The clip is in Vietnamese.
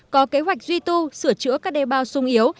có kế hoạch duy tu sửa chữa các đe bao sung yếu